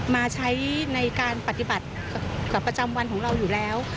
มาใช้ในการปฏิบัติประจำวันของเราอยู่แล้ว